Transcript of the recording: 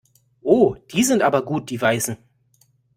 Oh, die sind aber gut die Weißen.